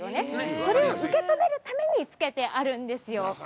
それを受けとけるためにつけてあるんですよ。